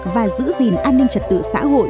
và giữ gìn an ninh trật tự xã hội